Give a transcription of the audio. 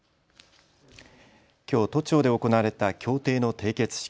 きょう都庁で行われた協定の締結式。